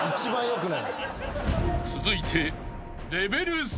［続いて］